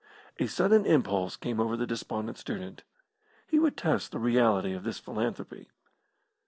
A sudden impulse came over the despondent student. He would test the reality of this philanthropy.